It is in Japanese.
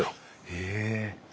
へえ。